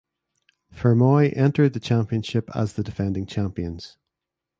Fermoy entered the championship as the defending champions.